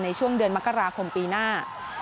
ในช่วงเดือนมกราคมปีหน้า